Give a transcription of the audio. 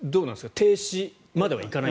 停止までは行かない？